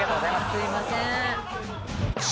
すいません。